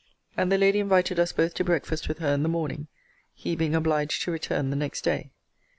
And the lady invited us both to breakfast with her in the morning; he being obliged to return the next day.